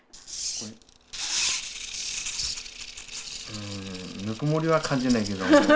うんぬくもりは感じないけど。